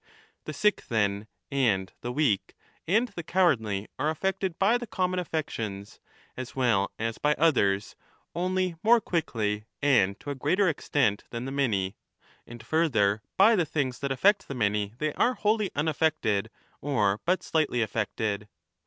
The sick, then, and the weak and the 35 cowardly are affected by the common affections, as well as by others, only more quickly and to a greater extent than the many, and further, by the things that affect the many they are wholly unaffected or but slightly affected.